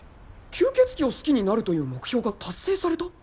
吸血鬼を好きになるという目標が達成された？